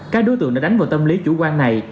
các đối tượng đã đánh vào tâm lý chủ quan này